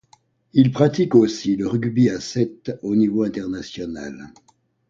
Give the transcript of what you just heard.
Il pratique aussi le rugby à sept au niveau international.